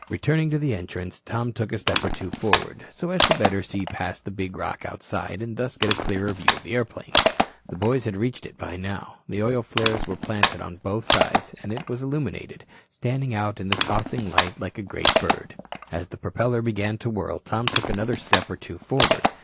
Returning to the entrance, Tom took a step or two forward so as the better to see past the big rock outside and thus get a clearer view of the airplane. The boys had reached it by now, the oil flares were planted to both sides, and it was illuminated, standing out in the tossing light like a great bird. As the propeller began to whirl, Tom took another step or two forward.